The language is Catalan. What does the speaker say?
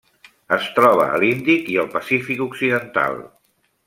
Es troba a l'Índic i el Pacífic occidental.